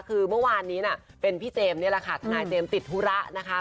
คือเมื่อวานนี้เป็นพี่เจมส์นี่แหละค่ะทนายเจมส์ติดธุระนะคะ